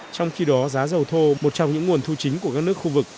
trong khi đó giá dầu thô một trong những nguồn thu chính của các nước khu vực